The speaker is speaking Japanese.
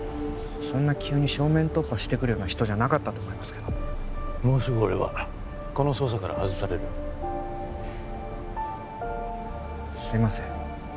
そんな急に正面突破してくるような人じゃなかったと思いますけどもうすぐ俺はこの捜査から外されるすいません